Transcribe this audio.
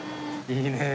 いいねえ。